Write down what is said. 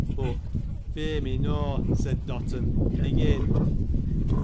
"Bool:: 'Fear me na,' said Doton ; begin.